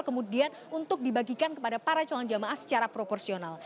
kemudian untuk dibagikan kepada para jemaah secara proporsional